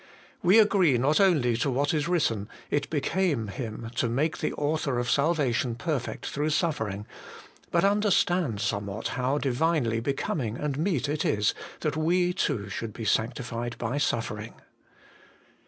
We agree not only to what is written, ' It became Him to make the Author of salvation perfect through suffering,' but understand somewhat how Divinely becoming and meet it is that we too should be sanctified by suffering.